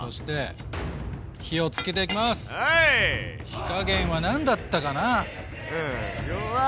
火加減は何だったかな？